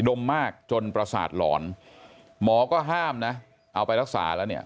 มมากจนประสาทหลอนหมอก็ห้ามนะเอาไปรักษาแล้วเนี่ย